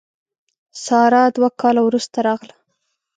ساره دوه کاله وروسته راغله.